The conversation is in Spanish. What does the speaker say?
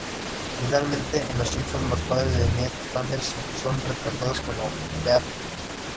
Finalmente, en "Los Simpson" los padres de Ned Flanders son retratados como "beatniks".